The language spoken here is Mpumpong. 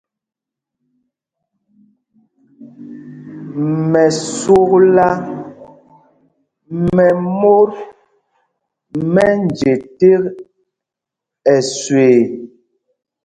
Mɛsúkla mɛ mot mɛ nje tēk ɛsüee.